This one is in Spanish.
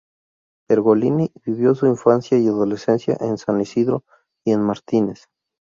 Pergolini vivió su infancia y adolescencia en San Isidro y en Martínez.